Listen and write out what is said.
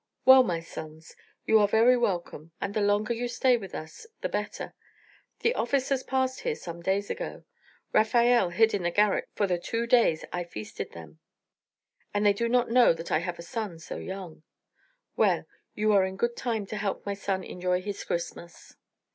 Well, my sons, you are very welcome, and the longer you stay with us the better. The officers passed here some days ago Rafael hid in the garret for the two days I feasted them, and they do not know that I have a son so young. Well, you are in good time to help my son enjoy his Christmas."